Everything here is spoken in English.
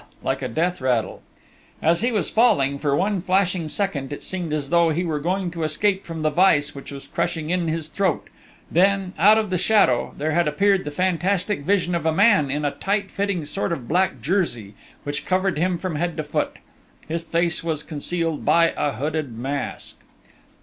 like a death rattle. As he was falling, for one flashing second, it seemed as though he were going to escape from the vise which was crushing in his throat... then, out of the shadow, there had appeared the fantastic vision of a man in a tight fitting sort of black jersey, which covered him from head to foot.... His face was concealed by a hooded mask....